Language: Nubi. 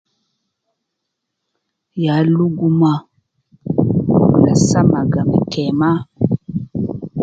Ya luguma mula samaga me keema.